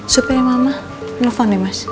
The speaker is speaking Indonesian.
supaya mama nelfon ya mas